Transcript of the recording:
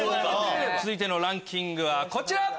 続いてのランキングはこちら！